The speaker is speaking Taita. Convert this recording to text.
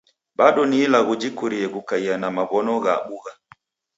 Bado ni ilagho jikurie kukaia na maw'ono gha bugha.